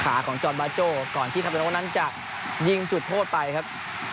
ขาของจอร์นบาร์โจ้ก่อนที่ทำให้วันนั้นจะยิงจุดโทษไปครับ